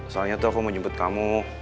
soalnya tuh aku mau jemput kamu